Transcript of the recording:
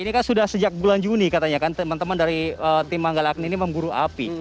ini kan sudah sejak bulan juni katanya kan teman teman dari tim manggala agni ini memburu api